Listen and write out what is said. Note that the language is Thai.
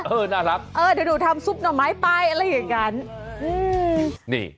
เออถ้าหนูทำซุปหน่อไม้ไปอะไรอย่างนั้น